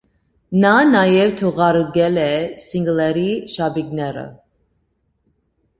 Նա նաև թողարկել էր սինգլերի շապիկներըը։